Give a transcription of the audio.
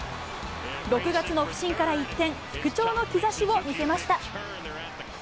６月の不振から一転、復調の兆しを見せました。